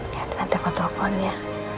nanti aku telepon ya